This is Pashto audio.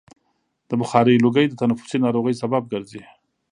د بخارۍ لوګی د تنفسي ناروغیو سبب ګرځي.